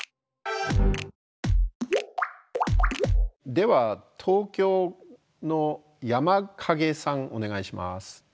では東京のヤマカゲさんお願いします。